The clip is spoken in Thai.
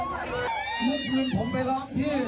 ผมขอโทษทีก็จะไปท้าคนจริง